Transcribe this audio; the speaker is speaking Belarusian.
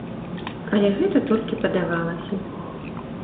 Але гэта толькі падавалася.